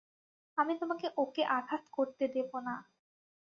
আমি তোমাকে ওকে আঘাত করতে দেবো না।